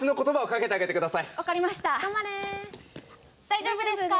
大丈夫ですか？